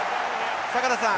坂田さん